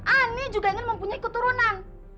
ani juga ingin mempunyai keturunan